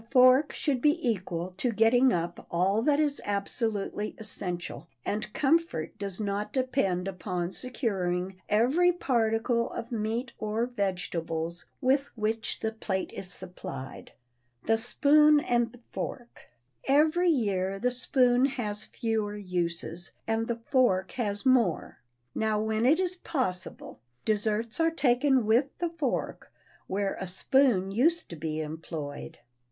The fork should be equal to getting up all that is absolutely essential, and comfort does not depend upon securing every particle of meat or vegetables with which the plate is supplied. [Sidenote: THE SPOON AND THE FORK] Every year the spoon has fewer uses, and the fork has more. Now, when it is possible, desserts are taken with the fork where a spoon used to be employed.